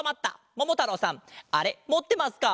ももたろうさんあれもってますか？